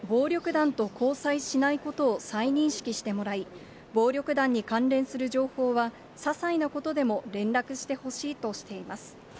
警視庁は、暴力団と交際しないことを再認識してもらい、暴力団に関連する情報は、ささいなことでも連絡してほしいとしています。